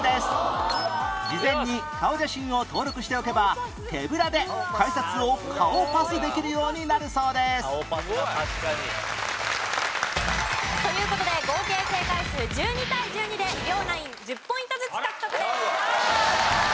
事前に顔写真を登録しておけば手ぶらで改札を顔パスできるようになるそうですという事で合計正解数１２対１２で両ナイン１０ポイントずつ獲得です。